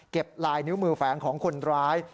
ลายนิ้วมือแฝงของคนร้าย